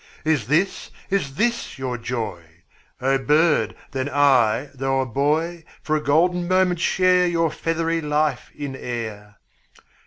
'Is this, is this your joy? O bird, then I, though a boy 10 For a golden moment share Your feathery life in air!